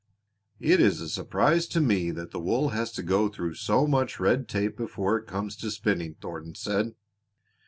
"It is a surprise to me that the wool has to go through so much red tape before it comes to spinning," Thornton said.